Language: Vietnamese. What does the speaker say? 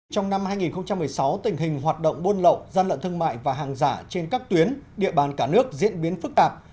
trong năm hai nghìn một mươi sáu tình hình hoạt động buôn lậu gian lận thương mại và hàng giả trên các tuyến địa bàn cả nước diễn biến phức tạp